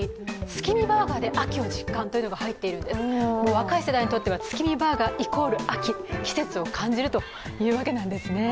若い世代にとっては月見バーガー＝秋、季節を感じるというわけなんですね。